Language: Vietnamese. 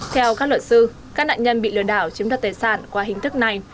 theo các luật sư các nạn nhân bị lừa đảo chiếm đoạt tài sản qua hình thức này